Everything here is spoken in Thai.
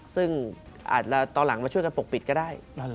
ซึ่งอาจจะตอนหลังมาช่วยกันปกปิดก็ได้